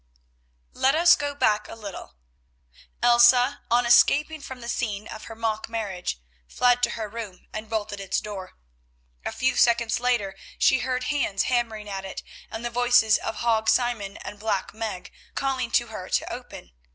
Let us go back a little. Elsa, on escaping from the scene of her mock marriage, fled to her room and bolted its door. A few seconds later she heard hands hammering at it, and the voices of Hague Simon and Black Meg calling to her to open.